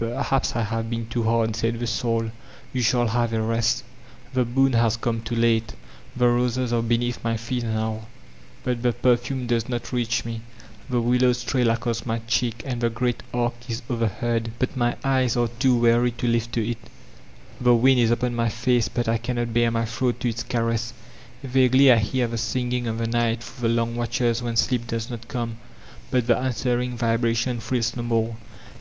^'Perhaps I have been too hard/* said the Soul; ''you shall have a rest" The boon has come too late. The roses are be neath my feet now, but the perfume does not reach me ; the willows trail across my cheek and the great arch is overhead, but my eyes are too weary to lift to it; the wind is upon my face, but I cannot bare my throat to its caress ; vaguely I hear the singing of the Night through the long watches when sleep does not come, but the an swering vibration thrills no more.